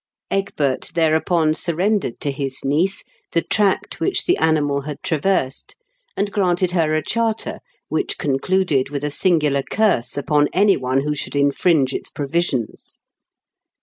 Egbert thereupon surrendered to his niece the tract which the animal had traversed, and granted her a charter, which concluded with a singular curse upon anyone who should infringe its provisions.